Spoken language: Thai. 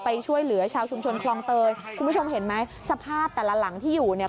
ไปช่วยเหลือชาวชุมชนคลองเตยคุณผู้ชมเห็นไหมสภาพแต่ละหลังที่อยู่เนี่ย